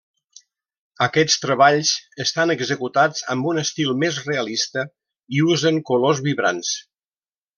Aquests treballs estan executats amb un estil més realista i usen colors vibrants.